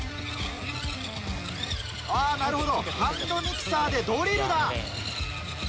あなるほどハンドミキサーでドリルだ。